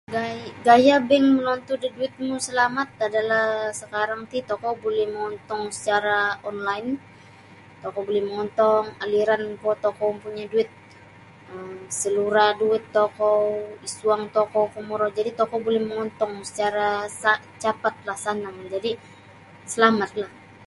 Gay gaya bank monontu da duitmu salamat adalah sakarang ti tokou buli mongontong secara online tokou buli mongontong aliran kuo tokou ompunyo duit salura duit tokou isuang tokou komburo jadi tokou buli mongontong secara sah capatlah sanang jadi selamatlah.